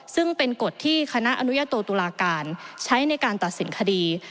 ซึ่งเป็นกฎที่คณะอนุญาโตตุลาการใช้ในการตัดสินคดี